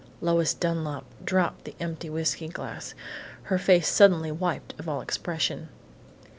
"_ Lois Dunlap dropped the empty whiskey glass, her face suddenly wiped of all expression.